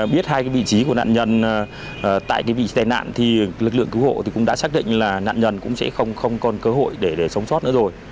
biết hai cái vị trí của nạn nhân tại vị tài nạn thì lực lượng cứu hộ cũng đã xác định là nạn nhân cũng sẽ không còn cơ hội để sống sót nữa rồi